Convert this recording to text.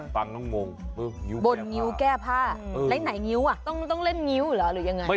บนงิ้วแก้ผ้าแล้วไหนงิ้วอ่ะต้องเล่นงิ้วหรือยังไง